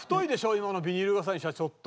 今のビニール傘にしてはちょっと。